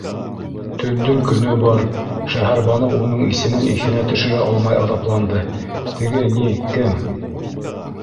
Төндөң көнө бар, - Шәһәрбаныу уның исемен иҫенә төшөрә алмай аҙапланды, - теге ни.. кем...